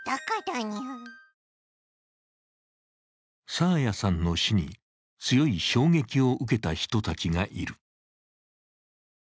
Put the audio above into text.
爽彩さんの死に強い衝撃を受けた人たちがいる。